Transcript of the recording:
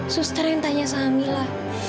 suster yang tanya sama mila